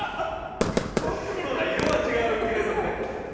ホントだ、色は違うけれどもね。